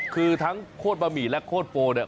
คือทั้งโคตรบะหมี่และโคตรโฟเนี่ย